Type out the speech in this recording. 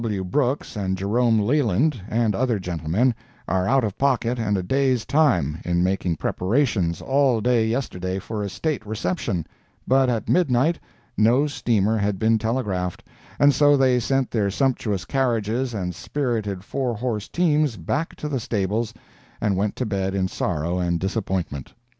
C. W. Brooks and Jerome Leland, and other gentlemen, are out of pocket and a day's time, in making preparations all day yesterday for a state reception—but at midnight no steamer had been telegraphed, and so they sent their sumptuous carriages and spirited four horse teams back to the stables and went to bed in sorrow and disappointment.